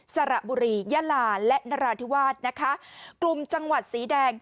สระบุรียะลาและนราธิวาสนะคะกลุ่มจังหวัดสีแดง